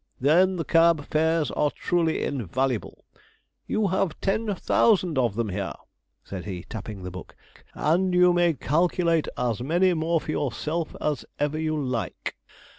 Then the cab fares are truly invaluable; you have ten thousand of them here,' said he, tapping the book, 'and you may calculate as many more for yourself as ever you like.